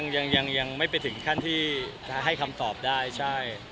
ตอนนี้ยังรอยังไม่ไปถึงขั้นที่จะให้คำตอบได้ใช่